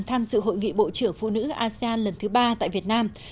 tham dự hội nghị bộ trưởng phụ nữ asean lần thứ ba tại việt nam